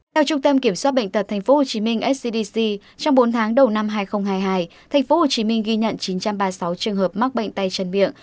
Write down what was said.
theo trung tâm kiểm soát bệnh tật thành phố hồ chí minh scdc trong bốn tháng đầu năm hai nghìn hai mươi hai thành phố hồ chí minh ghi nhận chín trăm ba mươi sáu trường hợp mắc bệnh tay chân miệng